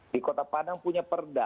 di kota padang punya perda